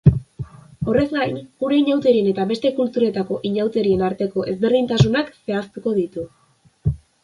Horrez gain, gure inauterien eta beste kulturetako inauterien arteko ezberdintasunak zehaztuko ditu.